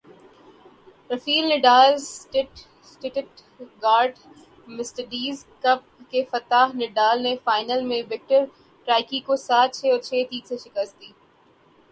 Rafale Nadal Stuttgart Mercedes Cup کے فاتح Nadal نے فائنل میں وکٹر ٹرائیکی کو سات چھے اور چھے تین سے شکست دی